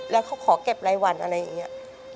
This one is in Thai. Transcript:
แล้วเขาขอเก็บไร้วันอันนี้ไม่ได้